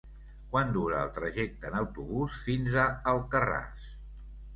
Quant dura el trajecte en autobús fins a Alcarràs?